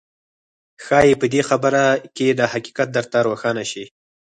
ښايي په دې خبره کې دا حقيقت درته روښانه شي.